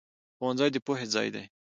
ښوونځی د پوهې ځای دی